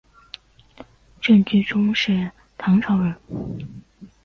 郑居中是唐朝人。